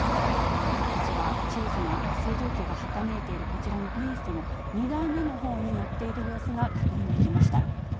こちら、小さな星条旗がはためいているこちらのビーストの２台目のほうに乗っている様子が確認できました。